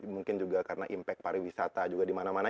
mungkin juga karena impact pariwisata juga di mana mana